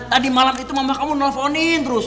tadi malam itu mama kamu nelfonin terus